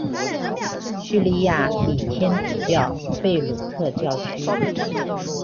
叙利亚礼天主教贝鲁特教区。